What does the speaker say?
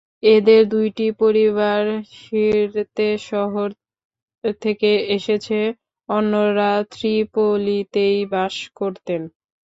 এদের দুইটি পরিবার সির্তে শহর থেকে এসেছে, অন্যরা ত্রিপোলিতেই বাস করতেন।